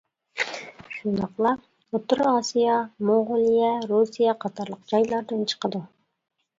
شۇنداقلا ئوتتۇرا ئاسىيا، موڭغۇلىيە، رۇسىيە قاتارلىق جايلاردىن چىقىدۇ.